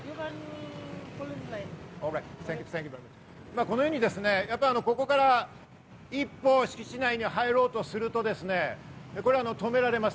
このように、ここから一方、敷地内に入ろうとすると、止められます。